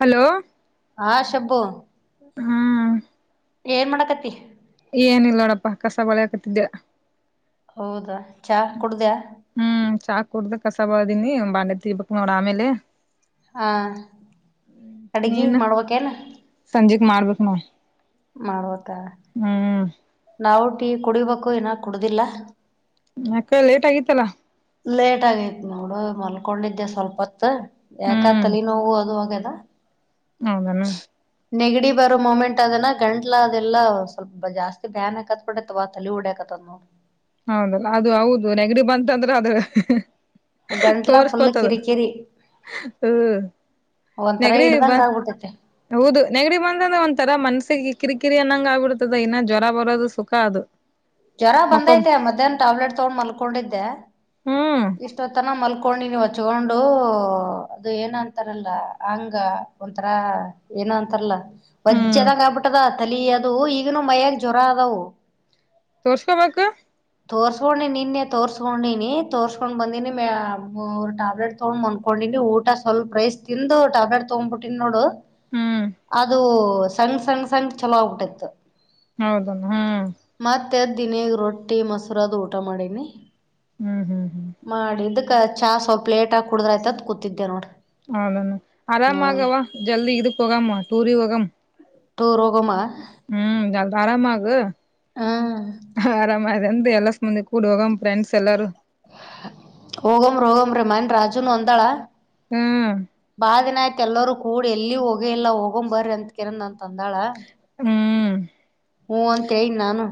Hello ಹಾ ಶಬ್ಬು ಹ್ಮ್ ಏನ್ ಮಾಡಕತಿ ಏನಿಲ್ಲ ನೋಡಪ್ಪ ಕಸ ಬಳೆಕತ್ತಿದ್ದೆ ಹೌದಾ ಚಾ ಕುಡ್ದ್ಯಾ ಹ್ಮ್ ಚಾಕ್ ಕುಡ್ದೆ ಕಸ ಬಳದಿನಿ ಬಾಂಡೆ ತಿಕಬೇಕ್ ನೋಡ ಆಮೇಲೆ ಹಾ ಅಡ್ಗಿ ನೀನ್ ಮಾಡ್ಬೇಕೇನ್ ಸಂಜಿಕ ಮಾಡಬೇಕ್ ನೋಡ್ ಮಾಡ್ಬೇಕ್ ಹ್ಮ್ ನಾವು ಟೀ ಕುಡಿಬೇಕು ಇನ್ ಕುಡದಿಲ್ಲ ಯಾಕ್ ಲೇಟ್ ಆಗಿತ್ತಲ್ಲಾ ಲೇಟ್ ಆಗೈತ್ ನೋಡು ಮಲ್ಕೊಂಡಿದ್ದೆ ಸ್ವಲ್ಪೂತು ಯಾಕ ಹ್ಮ್ ತಲಿ ನೋವು ಅದು ಆಗದ ಹೌದನು ನೆಗಡಿ ಬರೋ ಮೊಮೆಂಟ್ ಅದಲ್ಲ್ ಗಂಟ್ಲ ಅದೆಲ್ಲ ಸ್ವಲ್ ಜಾಸ್ತಿ ಬ್ಯಾನ್ ಹಾಕತ್ತ ತಲಿ ಹೊಡೆಕತಾದ ನೋಡ್ ಹೌದಲ್ಲ ಅದು ಹೌದು ನೆಗಡಿ ಬಂತಂದ್ರೆ ಅದ್ ಗಂಟ್ಲ ಫುಲ್ ತೋರ್ಸ್ಕೋತದ ಕಿರಿಕಿರಿ ಹ್ಮ ಒಂಥರ ನೆಗರಿಯ ಬಾ ಹಿಡ್ದಂಗ ಆಗ್ಬಿಟ್ಟೈತೆ ಹೌದು ನೆಗಡಿ ಬಂತ್ ಅಂದ್ರ ಒಂಥರ ಮನ್ಸಿಗೆ ಕಿರಿಕಿರಿ ಅನ್ನಂಗ್ ಆಗ್ಬಿಡ್ತದ ಇನ್ನ ಜ್ವರ ಬರೋದು ಸುಖ ಅದು. ಜ್ವರ ಮಕ್ಕೊಂ ಬಂದೈತೆ ಮಧ್ಯಾಹ್ನ ಟ್ಯಾಬ್ಲೆಟ್ ತಗೊಂಡು ಮಲ್ಕೊಂಡಿದ್ದೆ. ಹ್ಮ್ ಇಷ್ಟೊತ್ತನ ಮಲ್ಕೊಂಡೇನೀ ಹಚ್ಚೋಂಡು ಅದು ಏನ್ ಅಂತಾರಲ್ಲ ಹಂಗ ಒಂಥರಾ ಏನೋ ಅಂತರ ಲ ಹ್ಮ್ ವಜ್ಜದಂಗ ಆಗ್ಬಿಟ್ಟದ ತಲಿ ಅದು ಈಗನು ಮಯ್ಯಾಗ್ ಜ್ವರ ಅದವು. ತೋರ್ಸ್ಕ್ಯಬೇಕು. ತೋರ್ಸ್ಕೊಂಡಿ ನಿನ್ನೆ ತೋರ್ಸ್ಕೊಂಡಿನಿ ತೋರ್ಸ್ಕೊಂಡ್ ಬಂದಿನಿ ಮ್ಯಾ ಮೂರ್ ಟ್ಯಾಬ್ಲೆಟ್ ತಗೊಂಡ್ ಮಕ್ಕೊಂಡಿನಿ ಊಟ ಸ್ವಲ್ಪ ರೈಸ್ ತಿಂದು ಟ್ಯಾಬ್ಲೆಟ್ ತಗೊಂಡ್ಬಿಟ್ಟಿನಿ ನೋಡು ಹ್ಮ್ ಅದು ಸಣ್ ಸಣ್ ಸಂಗ್ ಚಲೋ ಆಗ್ಬಿಟ್ಟೈತು. ಹೌದನ್ ಹ ಮತ್ತೆದ ದಿನಿ ರೊಟ್ಟಿ ಮೊಸರ ಅದು ಊಟ ಮಾಡೇನಿ. ಹ್ಮ್ ಹ್ಮ್ ಹ್ಮ್ ಮಾಡಿದಕ್ಕ ಚಾ ಸ್ವಲ್ಪ್ ಲೇಟ್ ಆಗ್ ಕುಡುದ್ರ ಆಯ್ತತ್ ಕೂತಿದ್ದೆ ನೋಡ್ ಹೌದಾನ ಆರಾಮಾಗವಾ ಜಲ್ದಿ ಇದುಕ್ ಹೋಗಮ ಟೂರಿಗ್ ಹೋಗಾಮ. ಟೂರ್ ಹೊಗಮ. ಹ್ಮ್ ಜಲ್ದ್ ಆರಾಮಾಗು ಹ್ಮ್ ಆರಾಮ. ಮಂದಿ ಎಲ್ಲಾಸ್ ಮಂದಿ ಕೂಡ್ ಹೋಗಮ್ ಫ್ರೆಂಡ್ಸ್ ಎಲ್ಲಾರೂ ಹೊಗಮ್ ಹೋಗಮ್ರಿ ಮೊನ್ ರಾಜುನು ಅಂದಾಳ ಹ್ಮ್ ಬಾಳ ದಿನಾಯ್ತು ಎಲ್ಲರು ಕ್ ಕೂಡಿ ಎಲ್ಲಿ ಹೋಗೇ ಇಲ್ಲ ಹೋಗೊಮ್ ಬರಿ ಅಂತ ಕಿರಂದ ಅಂತ ಅಂದಾಳ. ಹ್ಮ್ ಹೂ ಅಂತ ಹೇಳಿನ್ ನಾನು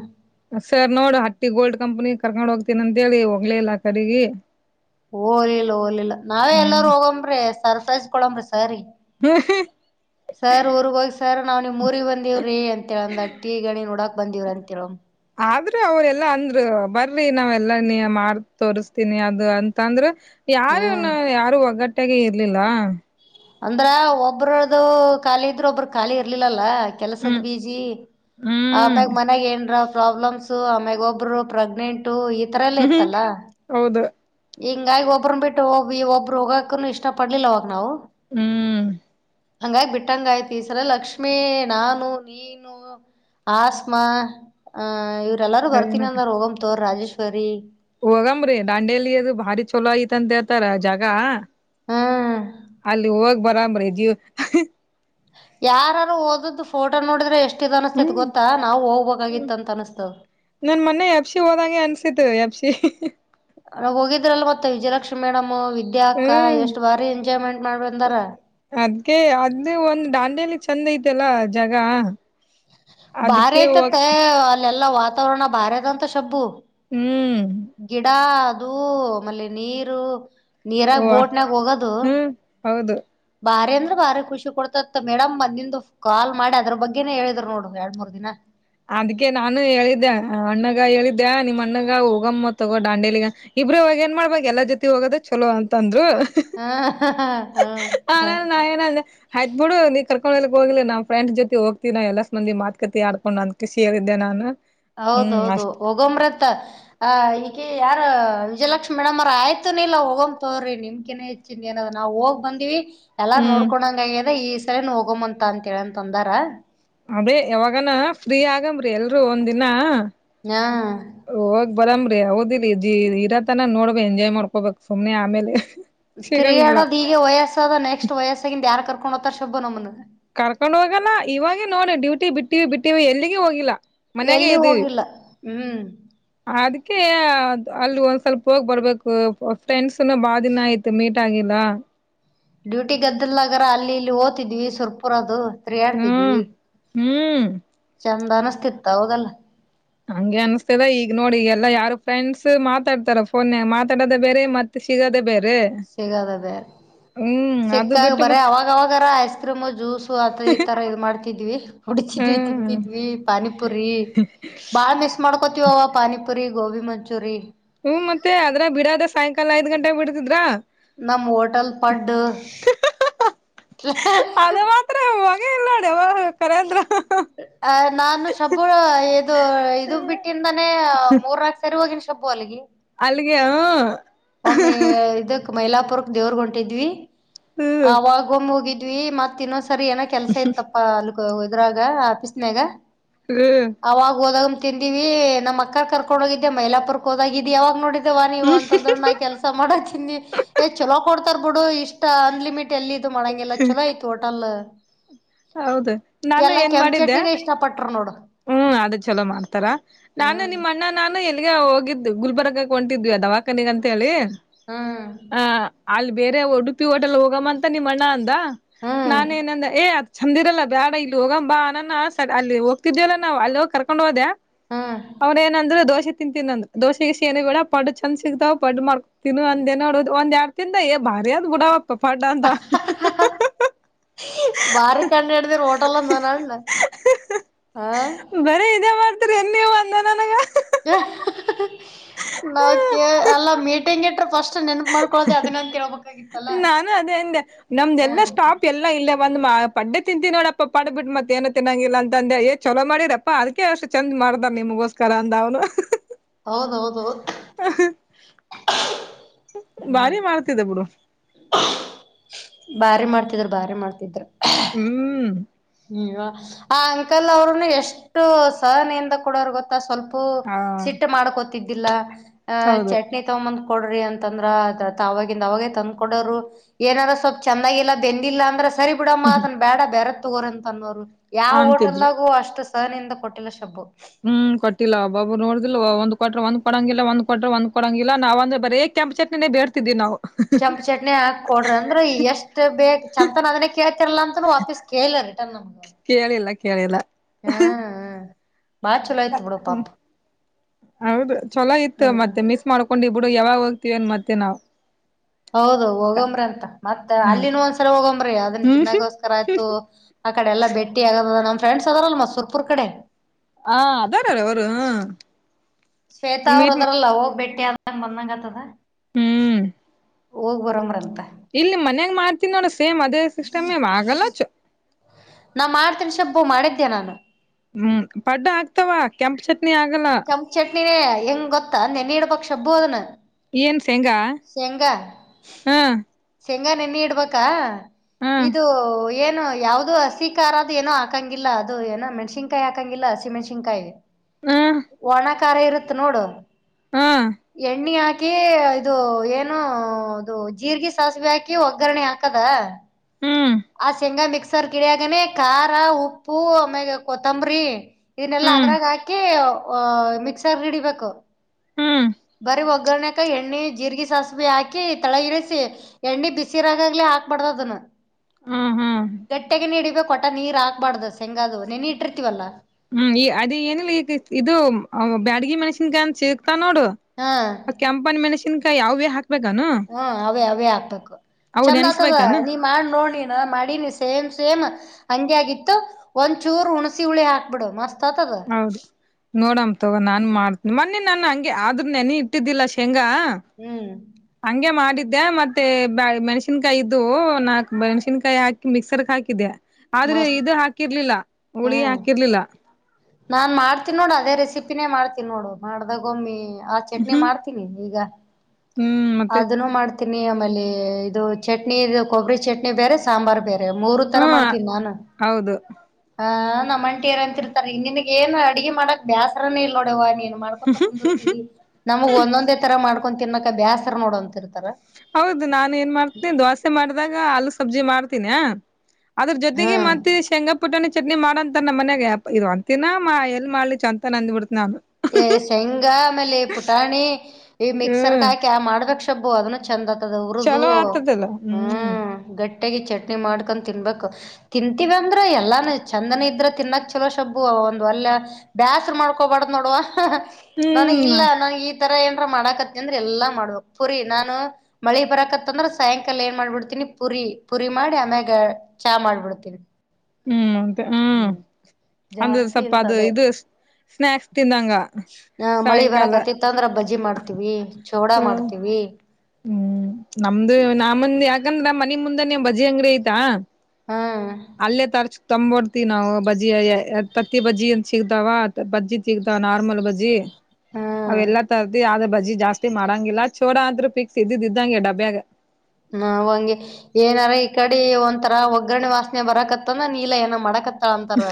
ಸರ್ ನೋಡು ಹಟ್ಟಿ ಗೋಲ್ಡ್ ಕಂಪ್ನಿ ಕರ್ಕೊಂಡ್ ಹೋಗ್ತೀನ ಅಂತೇಳಿ ಹೋಗಲೇ ಇಲ್ಲ ಕಡೆಗಿ ಓಗ್ಲಿಲ್ಲ ಓಲಿಲ್ಲ ನಾವೇ ಹ್ಮ್ ಎಲ್ಲಾರೂ ಹೋಗಂಬ್ರಿ ಸರ್ಪ್ರೈಸ್ ಕೊಡಂಬ್ರಿ ಸರ್ ಗೆ. [unintelligible] ಹ್ಮ್ [inaudible] ಸರ್ ಊರ್ಗ ಹೋಗಿ ಸರ್ ನಾವು ನಿಮ್ ಊರಿಗೆ ಬಂದಿವ್ರೀ ಅಂತೇಳಂದ ಹಟಿ ಗಣಿ ನೋಡಾಕ್ ಬಂದೀವ್ರಿ ಅಂತೇಳುಂ. ಆದ್ರೆ ಅವ್ರೆಲ್ಲಾ ಅಂದ್ರು ಬರ್ರಿ ನಾವೆಲ್ಲ ನೀ ಮ ತೋರಿಸತೀನಿ ಅದು ಅಂತ ಅಂದ್ರು. ಹಾ ಯಾರ್ ಇವ್ನು ಯಾರು ಒಗ್ಗಟ್ಟಾಗೆ ಇರ್ಲಿಲ್ಲ. ಅಂದ್ರ ಒಬ್ರದು ಖಾಲಿ ಇದ್ರೂ ಒಬ್ರುದ್ ಖಾಲಿ ಇರ್ಲಿಲ್ಲಲ್ಲ. ಕೆಲ್ಸದ ಹ್ಮ್ ಬೀಜಿ ಹ್ಮ್ ಆಮ್ಯಾಗ ಮನೆಯಾಗ ಏನ್ರ ಪ್ರಾಬ್ಲಮ್ಸ್ ಆಮ್ಯಾಗ ಒಬ್ಬರು ಪ್ರೆಗ್ನೆಂಟು ಈಥರಲ್ಲೇ ಹ್ಮ್ ಹ್ಮ್ ಇತ್ತಲ್ಲ. ಹೌದು ಹಿಂಗಾಗ್ ಒಬ್ರುನ್ ಬಿಟ್ಟು ಒಬ್ ಈ ಒಬ್ರು ಹೋಗಕನು ಇಷ್ಟ ಪಡ್ಲಿಲ್ಲ ಅವಾಗ ನಾವು ಹ್ಮ್ ಹಂಗಾಗಿ ಬಿಟ್ಟಂಗಾಯ್ತು ಈ ಸಲ ಲಕ್ಷ್ಮೀ ನಾನು ನೀನು ಆಸ್ಮಾ ಆ ಇವ್ರ ಎಲ್ಲಾರೂ ಬರ್ತೀನಿ ಅಂದರ್ ಹೋಗಮ್ ತಗೋ ರಾಜೇಶ್ವರಿ ಹೋಗಮ್ರಿ ದಾಂಡೇಲಿ ಅದು ಭಾರಿ ಚಲೋ ಐತಂತ್ ಹೇಳ್ತಾರ ಜಾಗ ಹ್ಮ್ ಅಲ್ಲಿ ಹೋಗ್ ಬರಾಮ್ರೀ ಜೀವ್ ಅಹ್ ಯಾರಾರು ಓದುದ್ದ್ ಫೋಟೋ ನೋಡಿದ್ರೆ ಎಷ್ಟಿದ್ ಅನಿಸ್ತೇತ್ ಹ್ಮ್ ಗೊತ್ತಾ ನಾವು ಹೋಗ್ಬೇಕಾಗಿತ್ ಅಂತ ಅನ್ನಿಸ್ತದ್. ನನ್ ಮೊನ್ನೆ ಎಫ್ ಸಿ ಹೋದಗೆ ಅನ್ಸಿದ್ದು ಎಫ್ ಸಿ ಹ್ ಹ್ ರಗ ಹೋಗಿದ್ರಲ್ ಮತ್ತೆ ವಿಜಯಲಕ್ಷ್ಮಿ ಮೇಡಮ್ ವಿದ್ಯಾ ಅಕ್ಕ ಹ್ಮ್ ಎಷ್ಟ್ ಬಾರಿ ಎಂಜಾಯ್ಮೆಂಟ್ ಮಾಡ್ ಬಂದಾರ. ಅದ್ಕೆ ಅಲ್ಲಿ ಒಂದ್ ದಾಂಡೇಲಿ ಚೆಂದ ಐತೆಲ್ಲ ಜಗ ಬಾರಿ ಐತತ್ತ ಅಲ್ಲೆಲ್ಲಾ ವಾತಾವರಣ ಬಾರಿ ಅದಂತ ಶಬ್ಬು ಹ್ಮ್ ಗಿಡ ಅದು ಆಮೇಲೆ ನೀರು. ನೀರಾ ಹ್ವ ಬೋಟ್ನಾಗ ಹೋಗೋದು. ಹ್ಮ್ ಹೌದು ಬಾರಿ ಅಂದ್ರೆ ಬಾರಿ ಖುಷಿ ಕೊಡ್ತತ್ ಮೇಡಮ್ ಬಂದಿದ್ರು. ಕಾಲ್ ಮಾಡಿ ಅದ್ರ ಬಗ್ಗೆನೆ ಹೇಳಿದ್ರು ನೋಡು ಎರಡ್ ಮೂರ್ ದಿನ. ಅದ್ಕ ನಾನು ಹೇಳಿದ್ದೆ ಅಣ್ಣಗ ಹೇಳಿದ್ದೆ ನಿಮ್ಮ್ ಅಣ್ಣಗ ಹೋಗಮ್ಮ ತಗೋ ದಾಂಡೇಲಿಗೆ. ಇಬ್ರೇ ಹೋಗಿ ಏನ್ ಮಾಡ್ಬೇಕು ಎಲ್ಲಾರಾ ಜೊತೆ ಹೋಗೋದ ಚಲೋ ಅಂತ ಅಂದ್ರು. ಹಾ ಹ ಹಾ ಹಾ ನಾ ಏನಂದೆ ಆಯ್ತ್ ಬಿಡು ನೀ ಕರ್ಕೊಂಡ್ಲಿಕ್ ಹೋಗಿಲ್ಲ ನಾ ಫ್ರಂಡ್ ಜೊತೆ ಹೋಗ್ತವಿ ನ ಎಲ್ಲಸ್ ಮಂದಿ ಮಾತುಕಥೆ ಆಡ್ಕೊಂಡ. ಹೇಳಿದೆ ನಾನು. ಹ್ಮ್ ಹೌದೌದು ಅಷ್ಟ ಹೋಗೊಂಬ್ರತ್ತ ಅ ಈಗ ಯಾರ ವಿಜಯಲಕ್ಷ್ಮಿ ಮೇಡಮ ಆಯ್ತುನ ಇಲ್ಲ ಹೋಗ್ ತಕೋರಿ. ಏನ ನಾವು ಹೋಗ್ ಬಂದಿವಿ. ಎಲ್ಲಾ ಹ್ಮ್ ನೋಡ್ಕೊಂಡಂಗ ಆಗ್ಯಿದೆ ಈ ಸರಿನ ಹೋಗ್ತ ಅಂತ ಹೇಳನ್ ಅಂತ ಅಂದರ. ಅದೇ ಯಾವಾಗನ ಫ್ರೀ ಆಗಮ್ರಿ ಎಲ್ರು ಒಂದ ದಿನ. ಹಾ ಹೋಗ್ ಬರಾಮ್ರಿ ಹೌದಿರಿ ಇರತನ ನೋಡ್ಬ ಎಂಜಾಯ್ ಮಾಡ್ಕೋಬೇಕಕ್ ಸುಮ್ನೆ ಆಮೇಲೆ. ಸಿಗಂಗಿಲ್ಲ ತಿರುಗಾಡೋ ಈಗ ವಯಸ್ಸದ ನೆಕ್ಸ್ಟ್ ವಯಸ್ಸಾಗಿದ ಯಾರ್ ಕರ್ಕೊಂಡ ಹೋಗ್ತಾರ ಶುಭ ನಮ್ಮನ. ಕರ್ಕೊಂಡ್ ಹೋಗಲ್ಲ ಇವಾಗೆ ನೋಡಿ ಡ್ಯೂಟಿ ಬಿಟ್ಟಿವಿ ಬಿಟ್ಟಿವಿ ಎಲ್ಲಿಗೆ ಹೋಗಿಲ್ಲ. ಮನೆಯಾಗೇ ಎಲ್ಲಿ ಇದೀವಿ. ಹೋಗಿಲ್ಲ ಹ್ಮ್ ಅದ್ಕ ಅಲ್ಲಿ ಒಂದ್ ಸ್ವಲ್ಪ ಹೋಗ್ ಬರ್ಬೇಕು ಫ್ರೆಂಡ್ಸನು ಎಲ್ಲಾ ಬಾಳ ದಿನ ಆಯ್ತ ಮೀಟ್ ಆಗಿಲ್ಲ ಡ್ಯೂಟಿಗದ್ದಲ್ಗರ ಅಲ್ಲಿ ಇಲ್ಲಿ ಹೊತಿದ್ವಿ ಸುರ್ಪುರ ಅದು. ಆಡ್ತಿದ್ವಿ ಹ್ಮ್ ಹ್ಮ್ ಚಂದ ಅನಸ್ತಿತ್ತ ಹೌದಲ್ಲ. ಹಂಗೆ ಅನ್ಸ್ತದ ಈಗ ನೋಡಿ ಎಲ್ಲಾ ಯಾರು ಫ್ರೆಂಡ್ಸ್ ಮಾತಾಡ್ತಾರ ಫೋನ್ ಮಾತಾಡೋದ ಬೇರೆ ಮತ್ತೆ. ಸಿಗದೆೇ ಬೇರೆ. ಸಿಗದೇ ಬೇರೆ. ಹ್ಮ್ ಅದು ಸಿಕ್ಕಾಗ ಬಿಟ್ಟು ಬರೀ ಅವವಾಗ ಅವಾಗಾರ ಐಸ್ ಕ್ರೀಮು ಜ್ಯೂಸು ಆ ಈಥರ ಇದು ಮಾಡ್ತಿದ್ವಿ. ಹುಡಚಿದ್ವಿ ಹ್ಮ್ ತಿಂತಿದ್ವಿ ಪಾನಿಪುರಿ ಬಾಳ ದಿವಸ ಮಿಸ್ ಮಾಡ್ಕೋತವ ಪಾನಿಪುರಿ ಗೋಬಿ ಮಂಚೂರಿ. ಹ್ಮ್ ಮತ್ತ ಅದ್ರ ಬಿಡಾದ ಸಾಯಂಕಾಲ ಐದ್ ಗಂಟೆಗೆ ಬಿಡತಿದ್ರ. ನಮ್ಮ್ ಹೋಟಲ್ ಪಡ್ಡು. [unintelligible] ಅ ನಾನು ಶಬ್ಬು ಇದು ಇದು ಬಿಟ್ಟಿಂದಾನೇ ಮೂರಕ್ಷ. ಹೋಗಿನಿ ಶಾಬ್ಬು ಅಲ್ಲಿ. ಅಲ್ಲಿಗ್ಯ ಹು. ಒಮ್ಮೆ ಇದಕ್ ಮೈಲಾಪುರಕ್ ದೇವ್ರ ಹೊಂಟಿದ್ವಿ ಹ್ಮ್ ಆವಾಗ ಒಮ್ಮೆ ಹೋಗಿದ್ವಿ ಮತ್ತ. ಮತ್ತೆ ಇನ್ನೊಂದು ಸರಿ ಏನೋ ಕೆಲ್ಸ ಇತ್ತಪ್ಪಾ ಅಲ್ ಇದ್ರಾಗ ಆಫೀಸ್ನಾಗ. ಹ್ಮ ಅವಾಗ ಹೋದಾಗ ತಿಂದಿವವಿ ನಮ್ಮ ಅಕ್ಕ ಕರ್ಕೊಂಡು ಹೋಗಿದ್ದ ಮಹಿಳಾ ಪುರಕ್ಕೆ ಹೋದಾಗಿದ್ದ್ ಯಾವಾಗ ನೋಡಿದ್ದೇವ ನೀವು ಅಂತ. ಕೆಲಸ ಮಾಡ ತಿನ್ನಿ ಚಲೋ ಕೊಡ್ತಾರ ಬಿಡು ಇಷ್ಟ ಅನ್ಲಿಮಿಟ್ ಎಲ್ಲಿ ಇದು ಮಾಡಗೆಲ್ಲ ಚಲೋ. ಟೋಟಲ್ ಹೌದು ನಾನು ಎಲ್ಲ ಏನ್ ಕೆಂಪು ಮಾಡಿದ್ದೆ ಚಟ್ನಿನಿನೇ ಇಷ್ಟ ಪಟ್ರು ನೋಡು. ಹ್ಮ್ ಅದ ಚಲೋ ಮಾಡ್ತಾರಾ ನಾನು ಹ್ಮ್ ನಿಮ್ಮ ಅಣ್ಣ ನಾನು ಎಲ್ಲಿಗೆ ಹೋಗಿದ್ದು ಗುಲ್ಬರ್ಗಕ್ಕೆ ಹೊಂಟಿದ್ವಿ ದವಾಖಾನಿಗ ಅಂತ ಹೇಳಿ. ಹ್ಮ ಹ ಅಲ್ಲಿ ಬೇರೆ ಉಡುಪಿ ಹೋಟೆಲ್ ಹೋಗಮ್ಮ ಅಂತ ನಿಮ್ಮ ಅಣ್ಣ ಅಂದ ಹ್ಮ್ ನಾನ ಏನಂದ ಏ ಚಂದಿರಲ್ಲ ಬೇಡ ಇಲ್ಲಿ ಹೋಗ ಬಾ ಅನಾನ ಸ ಅಲ್ಲಿ ಹೋಗ್ತಿದ್ಯಲ್ಲ ನಾವು ಅಲ್ಲೋಗಿ ಕರ್ಕೊಂಡ್ ಹೋದ್ಯ ಹಾ ಅವನ ಏನಂದ್ರ ದೋಸೆ ತಿಂತೀನ್ಂದ್ರ ದೋಸೆೆಗೆ ಸ ಏನಿ ಕೂಡ ಪಡ್ಡಚಂದ ಸಿಗ್ತಾವ್ ಪಡ್ಡ ಮಾಡಕ ತಿನ್ನು ಅಂದೇ ನೋಡ ಒಂದ್ ಎರಡ ತತಿಂದ ಭಾರಿ ಅದ್ ಬಿಡವ [unintelligible] [unintelligible] ಬಾರಿ ಕಂಡ ಹಿಡ್ದಿರ ಹೋಟಲ್ ಮನಗಂಡ [inaudible] ಹಾ ಬರೀ ಇದೇ ಮಾಡ್ತೀರಿನ ನೀವು ಅಂದ ನನಗ. [unintelligible] ನಾಕ ಅಲ್ಲ ಮೀಟಿಂಗ್ ಇಟ್ರ ಫಸ್ಟ್ ನೆನಪ ಮಾಡ್ [unintelligible] ನಾನು ಅದೆ ಅಂದೇ ಹಾ ನಮ್ದಲ್ಲ ಸ್ಟಾಪ್ ಎಲ್ಲ ಇಲ್ಲೇ ಬಂದ್ ಮಾ ಪಡ್ಡೆ ತಿಂತೀ ನೋಡಪ್ಪ ಪಡ್ ಬಿಟ್ಟ ಮತ್ತ ಏನ್ ತಿನ್ನಂಗಿಲ್ಲ ಅಂದೆ ಏ ಚಲೋ ಮಾಡಿರಪ್ಪ ಅಪ್ಪಾ ಅದಕೆ ಅಷ್ಟ ಚಂದ ಮಾಡ್ದಾರ್ ನಿಮಗೋಸ್ಕರ ಅಂದ ಅವನು.. ಹೌದೌ ಹೌದ [unintelligible] ಬಾರಿ ಮಾಡ್ತಿದ್ದ ಬಿಡು [unintelligible] ಬಾರಿ ಮಾಡ್ತಿದ್ರ ಬಾರಿ ಮಾಡ್ತಿದ್ರ.. ಹ್ಮ್ ಹ್ಮ್ ಆ ಅಂಕಲ್ ಅವರುನು ಎಷ್ಟು ಸಹನೆಯಿಂದ ಕೂಡೋರು ಗೊತ್ತ ಒಟ್ಟ ಸ್ವಲ್ಪು ಹ ಸಿಟ್ಟು ಮಾಡ್ಕೋತಿದ್ದಿಲ್ಲ ಅ ಹೌದು ಚಟ್ನಿ ತಂಬಂದ ಕೊಡ್ರಿ ಅಂತಂದ್ರ ತಾವಗೆ ಅವಾಗಿಂದ ಅವಾಗೇ ತಂದ್ಕ ಕೊಡೋರು. ಏನರ ಸ್ವಲ್ಪ ಚಂದಾಗಿಲ್ಲ ಬೆಂದಿಲ್ಲ ಅಂದ್ರ ಸರಿ ಬಿಡಮ್ಮ ಅದನ್ನ ಬೇಡ ಬೆರ ತಗೋರ್ ಅಂತ ಅನ್ನೋರು ಯಾವ ಅಂತಿದ್ರು ಹೋಟೆಲಾಗು ಅಷ್ಟ ಸಹನಿಂದ ಕೊಟ್ಟಿಲ್ಲ ಶಬ್ಬು ಹ್ಮ್ ಕೊಟ್ಟಿಲ್ಲ ಒಬ್ಬಬ್ಬಾರ್ ನೋಡಿದಿಲ್ಲ ಒಂದ ಕೊಟ್ಟರ್ ಒಂದ್ ಕೊಡಂಗಿಲ್ಲ ಒಂದ ಕೊಟ್ಟರ ಒಂದ್ ಕೊಡಂಗಿಲ್ಲ ನಾವ್ದ್ರ ಬರೇ ಕೆಂಪ ಚಟ್ನಿನೇ ಬೇರ್ತಿದ್ದವಿ ನಾವು ಕೆಂಪು ಚಟ್ನಿ ಹಾಕ್ ಕೊಡ್ರಿ ಅಂದ್ರೆ ಎಷ್ಟು ಬೇಕ್ ಚಂತನ್ ಅದನ್ನೇ ಕೇಳ್ತಿರ್ಲ್ಲ ಅಂತೂ ವಾಪೀಸ್ ಕೇಳಿ ರಿಟರ್ನ್ ಹೌದಾ ಕೇಳಿಲ್ಲ ಕೇಳಿಲ್ಲ ಹಾ ಹ ಅದಕ್ಕ್ ಹ್ಮ್ [inaudible] ಹೌದು ಚಲೋ ಇತ್ತು ಹ್ಮ್ ಮತ್ತ ಮಿ ಮಾಡ್ಕೊಂಡಿ ಬಿಡು ಯಾವಾಗ ಹೋಗತೀವಿ ಅನ್ ಮತ್ತೆ ನಾವು ಹೌದು ಹೋಗಂಬ್ರಿ ಅಂತ ಮತ್ತೆ ಹ್ಮ್ ಅಲ್ಲಿನ್ ಒಂದ್ಸಲ ಹೋಗಂಬ್ರಿ ಅದನ್ ಹ್ಮ್ ತಿನ್ನಾಗೋಸ್ಕರ ಆಯ್ತು ಆ ಕಡೆ ಎಲ್ಲ ಭೇಟ್ಟಿ ಆಗದ ನಮ್ಮ ಫ್ರೆಂಡ್ಸ್ ಅದಾರಲ್ ಮತ್ ಸುರ್ಪುರ್ ಕಡೆ ಹ ಅದಾರಾರ ಅವರು ಶ್ವೇತ ಅವರು ಅದ್ರಲ್ಲ ಹೋಗ್ಬ ಬೆಟ್ಟಿ ಅ [unintelligible] ಬಂದಂಗ ಆತ್ತದ ಹ್ಮ್ [inaudible] ಹೋಗ್ ಬರಮ್ರಂತ ಇಲ್ಲಿ ಮನ್ಯಾಗ್ ಮಾಡ್ತನಿ ನೋಡ ಸೇಮ್ ಅದೆ [unintelligible] ನಾ ಮಾಡ್ತೀನಿ ಶಬ್ಬು ಮಾಡಿದ್ದೇ ನಾನು ಹ್ಮ್ ಪಡ್ಡ ಆಗ್ತಾವ ಕೆಂಪು ಚಟ್ನಿ ಆಗಲ್ಲ ಕೆಂಪು ಚಟ್ನಿನೇ ಹೆಂಗ್ ಗೊತ್ತಾ ನೆನಿ ಇಡ್ಬೇಕ್ ಶಬ್ಬು ಅದನ ಏನ್ ಶೇಂಗಾ ಶೇಂಗಾ ಹಾ [inaudible] ಶೇಂಗಾ ನೆನಿ ಇಡ್ಬೇಕಾ ಹಾ [inaudible] ಇದು ಏನು ಯಾವ್ದೂ ಅ ಪ್ರತಿಕಾರದ ಏನೋ ಹಾಂಗಿಲ್ಲ ಅದು ಏನೋ ಮೆಣ್ಸಿನ್ಕಾಯಿ ಹಾಂಗಿಲ್ಲ ಹಸಿ ಮೆಣ್ಸಿನ್ಕಾಯಿ ಹಾ [inaudible] ಒಣ ಖಾರ ಇರುತ್ತ ನೋಡು ಹಾ [inaudible] ಎಣ್ಣೆ ಹಾಕಿ ಇದು ಏನು ಅದು ಜೀರ್ರಿಗೆ ಸಾಸಿವೆ ಹಾಕಿ ಒಗ್ಗರಣೆ ಹಾಕದ. ಹ್ಮ್ [inaudible] ಆ ಶೆಂಗಾ ಮಿಕ್ಸ [unintelligible] ಖಾರ ಉಪ್ಪು ಆಮ್ಯಾಗ ಕೊತ್ತಂಬರಿ. ಇದನ್ನೆಲ್ಲಾ ಹ್ಮ್ ಅದ್ರಾಗ ಹಾಕಿ ಮಿಕ್ಸರ್ ಹಿಡಿಬೇಕು. ಹ್ಮ್ ಬರಿ ಒಗ್ಗರಣೆ ಕ ಎಣ್ಣಿ ಜೀರಿಗೆ ಸಾಸಿವಿ ಹಾಕಿ ತೆಳಗ ಇಳಿಸಿ ಎಣ್ಣಿ ಬಿಸಿ ಇರಾಗಾಗ್ಲೆ ಹಾಕ್ಬಾರ್ದ ಅದನ್ನ. ಹ್ಮ್ ಹ್ಮ್ ಗಟ್ಟೆಗನ ಹಿಡಿಬೇಕು ಒಟ್ಟ ನೀರ್ ಹಾಕ್ಬಾಡ್ದು ಶೆೇಂಗದು ನೆನಿ ಇಟ್ಟಿರ್ತೀವಲ್ಲ. ಹ್ಮ್ ಅದ ಏನಿಲ್ಲ ಇದು ಬ್ಯಾಡ್ಗಿ ಮಣಸಿನ್ಕಾಯಿ ಅಂತ ಸಿಗ್ತಾವ ನೋಡು. ಹಾಂ ಕೆಂಪನ ಮೆಣಸಿನ್ಕಾಯಿ ಯಾವವೆ ಹಾಕ್ಬೇಕನು. ಹ್ಮ ಅವೇ ಅವೇ ಹಾಕ್ಬೇಕು ಚಂದ್ ಆತದ ನೆನ್ಸ್ಬೇಕಾನು ನೀ ಮಾಡ್ ನೋಡ್ನೀನ ಮಾಡಿನಿ ಸೇಮ್ ಸೇಮ್. ಹಂಗೆ ಆಗಿತ್ತು ಒಂದ್ ಚೂರ್ ಹುಣಸಿ ಹುಳಿ ಹಾಕ್ಬಿಡು ಮಸ್ತ್ ಆತದ. ಹೌದು ನೋಡಮ್ ತೊಗೋ ನಾನ್ ಮಾಡ್ತೀನಿ ಮೊನ್ನೆ ನಾನು ಹಂಗೆ ಆದ್ರೂ ನೆನಿ ಇಟ್ಟಿದ್ದಿಲ್ಲ ಶೇಂಗಾ. ಹ್ಮ್ ಹಂಗೆ ಮಾಡಿದ್ದೆ ಮತ್ತೆ ಮೆಣ್ಸಿನ್ಕಾಯಿ ಇದ್ದುವು ನಾಕ್ ಮೆಣ್ಸಿನ್ಕಾಯಿ ಹಾ ಮಿಕ್ಸರ್ ಕ ಹಾಕಿದ್ದೆ ಆದ್ರೆ ಮಸ್ತ್ ಇದು ಹಾಕಿರ್ಲಿಲ್ಲ ಹುಳಿ ಹ್ಮ್ ಹಾಕಿರ್ಲಿಲ್ಲ. ನಾನ್ ಮಾಡ್ತೀನಿ ನೋಡು ಅದೇ ರೆಸಿಪಿನೇ ಮಾಡ್ತೀನಿ ನೋಡು ಮಾಡ್ದಾಗ ಒಮ್ಮಿ ಆ ಚಟ್ನಿ ಹ್ಮ್ ಮಾಡ್ತಿ [unintelligible] ಈಗ ಹ್ಮ್ ಮತ್ತೆ ಅದನ್ನು ಮಾಡ್ತ [unintelligible] ತಿನಿ ಆಮೇಲೆ ಇದು ಚಟ್ನಿ ಇದು ಕೊಬ್ಬರಿ ಚಟ್ನಿ [unintelligible] ಬೇರೆ ಸಾಂಬಾರ್ ಬೇರೆ ಮೂರು ತರ ಹ್ಮ ಮಾಡ್ತೀನಿ ನಾನು ಹೌದು ಹಾ ನಮ್ಮಂಟಿರಂತಿರ [unintelligible] ನಿನಗೇನ ಅಡ್ಗಿ ಮಾಡಕ್ ಬ್ಯಾಸ್ರನೇ ಇಲ್ ನೋಡೆವ್ವ ನೀನ್ ಮಾಡ್ಕೊತ ಕುಂದರ್ತೀದಿ. ನಮಗ್ ಒಂದೊಂದೇ ತರ ಮಾಡ್ಕೊಂಡ ತಿನ್ನಕ ಬ್ಯಾಸ್ರ ನೋಡಂತಿರ್ತಾರ. ಹೌದು ನಾನೆನ್ ಮಾಡ್ತೀನಿ ದೋಸೆ ಮಾಡ್ದಾಗ ಆಲೂ ಸಬ್ಜಿ ಮಾಡ್ತೀನಿಯ. ಅದ್ರ ಹಾ. ಜೊತಿಗೆ ಮತ್ತ ಶೇಂಗ ಪುಟಾಣಿ ಚಟ್ನಿ ಮಾಡ ಅಂತನ್ ನಮ್ಮ ಮನ್ಯಾಗ ಇದು ಒಂತಿನ್ನ ಎಲ್ ಮಾಡ್ಲಿ ಚೆಂತನ ಅಂದ್ಬಿಡ್ತಿನಾನು. ಏ ಶೇಂಗಾ ಆಮೇಲೆ ಪುಟಾಣಿ ಈ ಮಿಕ್ಸರ್ಕ ಹ್ಮ್ ಹಾಕಿ ಆ ಮಾಡ್ಬೇಕ ಶಬ್ಬು ಅದನು ಚೆಂದ [unintelligible] ಹುರುದು ಚಲೋ ಆಗ್ತದಲ್ಲ ಹ್ಮ್ ಹ್ಮ ಗಟ್ಟ್ಯಾಗಿ ಚಟ್ನಿ ಮಾಡ್ಕೊಂಡು ತಿನ್ಬೇಕು. ತಿಂತೀವಿ ಅಂದ್ರ ಎಲ್ಲಾನ ಚಂದನ ಇದ್ರೆ ತಿನ್ನಕ್ ಚಲೋ ಶಬ್ಬು ಒಂದು ವಲ್ಯ ಬ್ಯಾಸರ ಮಾಡ್ಕೊಬಾಡ್ದ ನೋಡವ ಹ್ಹಹ ನನಗ ಹ್ಮ್ ಇಲ್ಲ ನನಗ ಈ ತರ ಏನ್ರ ಮಾಡಕತ್ನೆಂದ್ರ ಎಲ್ಲಾ ಮಾಡ್ಬೇಕ್ ಪುರಿ ನಾನು. ಮಳಿ ಬರಕತ್ತಂದ್ರ ಸಾಯಂಕಾಲ ಏನ್ ಮಾಡ್ಬಿಡ್ತೀನಿ ಪುರಿ ಪುರಿ ಮಾಡಿ ಆಮ್ಯಾಗ. ಚಾ ಮಾಡ್ಬಿಡ್ತೀನಿ. ಹ್ಮ್ [unintelligible] ಹ್ಮ್ ಅಂದ ಜಾಸ್ತಿ ಸಪ್ಪ ಅದು ಇಂತದೇ ಇದು ಸ್ನ್ಯಾಕ್ಸ್ ತಿಂದಂಗ ಸಾಯಂಕಾಲ. [unintelligible] ತ್ತಂದ್ರ ಬಜಿ ಮಾಡ್ತೀವಿ ಚೌಡ ಹ್ಮ್ ಮಾಡ್ತೀವಿ. ಹ್ಮ್ ನಮ್ದ ನಮ್ಮಂದ್ ಯಾಕಂದ್ರ ಮನಿ ಮುಂದ ನಿಮ್ ಬಜಿ ಅಂಗಡಿ ಐತಾ. ಹ್ಮ ಅಲ್ಲೇ ತರ್ಚ್ ತಂಬೋರ್ತಿ ನಾವು ಬಜಿ ತತ್ತಿ ಬಜಿ ಅಂತ ಸಿಗ್ದಾವ ಬಜ್ಜಿ ಸಿಗತಾವ್ ನಾರ್ಮಲ್ ಬಜಿ. ಹ್ಮ್ ಅವೆಲ್ಲಾ ತರತಿ ಆದ್ರ ಬಜಿ ಜಾಸ್ತಿ ಮಾಡಂಗಿಲ್ಲ ಚೋಡ ಅಂತ್ರೂ ಫಿಕ್ಸ್ ಇದ್ದಿದ್ದಿದ್ದಂಗೆ ಡಬ್ಬ್ಯಾಗ. ನಾವು ಹಂಗೆ ಏನಾರ ಈ ಕಡೆ ಒಂತರ ಒಗ್ಗರಣೆ ವಾಸನೆ ಬರಕತ್ತಂದ್ರ ನೀ ಇಲ ಏನ ಮಾಡಕತ್ತಿ [unintelligible] ಅಂತಾರ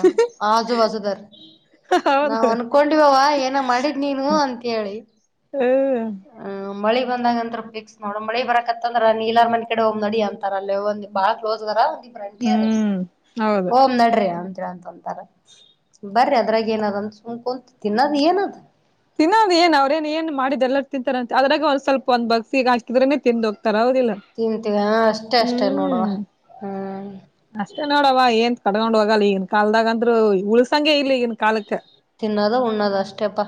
ಆಜು ಬಾಜುದರ್. ನಾವ್ ಹೌದು ಅನ್ಕೊಂಡಿವವ ಏನ ಮಾಡಿದ್ ನೀನು ಅಂತ ಹೇಳಿ. ಹ್ಮ ಅಂ ಮಳಿ ಬಂದಾಗ ಅಂತ್ರೂ ಫಿಕ್ಸ್ ನೋಡು ಮಳಿ ಬರಕತ್ತಂದ್ರ ನೀಲರ್ ಮನಿ ಕಡೆ ಹೋಗಮ್ ನಡಿ ಅಂತಾರ ಅಲ್ಲೆ ಒಂದು ಬಾಳ ಕ್ಲೋಸ್ ಅದಾರ. ಇಬ್ಬರ ಅಂಟಿಯರು ಹ್ಮ್ ಹೌದು ಹೋಮ್ ನಡ್ರಿ ಅಂತ ಹೇಳ ಅಂತ ಅಂದ. ಬರಿ ಅದ್ರಾಗ ಏನ್ ಅದ ಸುಮ್ಕೊಂತ ತಿನ್ನೋದ ಏನ ಆದ. ತಿನ್ನೋದ ಏನ್ ಅವ್ರೇ ಏನ್ ಏನ್ ಮಾಡಿದ್ದ ಎಲ್ಲ ತಿಂತಾರ ಅಂತಿ ಅದ್ರಾಗ ಒಂದ ಸ್ವಲ್ಪ ಒಂದ್ ಬಗ್ಸಿಗ್ ಹಾಕಿದ್ರೆೇನೆ ತಿಂದು ಹೋಗ್ತಾರ ಹೌದಿಲ್ಲ. ತಿಂತೀವ್ಯಾ ಅಷ್ಟೇ ಅಷ್ಟೇ ನೋಡವ. ಹ್ಮ್ ಅಷ್ಟೇ ನೋಡವ ಏನ್ ಕಟ್ಕೊಂಡ್ ಹೋಗಲ್ಲ ಈಗಿನ್ ಕಾಲದಾಗ ಅಂತ್ರು ಉಳಸಂಗೆ ಇಲ್ಲ ಈಗಿನ ಕಾಲಕ್ಕ. ತಿನ್ನೋದು ಉಣ್ಣದ ಅಷ್- ಷ್ಟಪ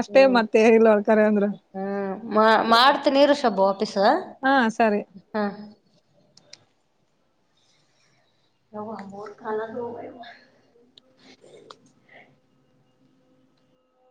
ಅಷ್ಟೇ ಮತ್ತೆ ಇಲ್ಲೋಳ್ಕರೆ ಅಂದ್ರ ಹ್ಮ ಹ್ಮ್ ಮಾಡ್ತೀನಿ ಇರು ಶಬ್ಬು ವಾಪೀಸ್. ಹಾ ಸರಿ. ಹಾ. [inaudible]